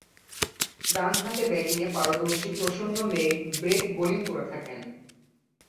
ডানহাতে ব্যাটিংয়ে পারদর্শী প্রসন্ন লেগ ব্রেক বোলিং করে থাকেন।